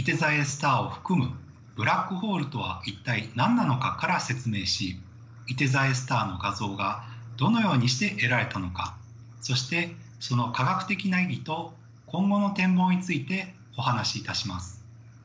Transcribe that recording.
スターを含む「ブラックホールとは一体何なのか」から説明しいて座Ａスターの画像がどのようにして得られたのかそしてその科学的な意義と今後の展望についてお話しいたします。